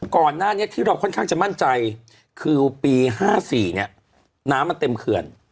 ก่อนหน้านี้ที่เราค่อนข้างจะมั่นใจคือปี๕๔เนี่ยน้ำมันเต็มเขื่อน